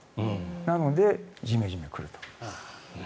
なので、ジメジメ来ると。